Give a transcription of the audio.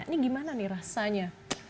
ini gimana nih rasanya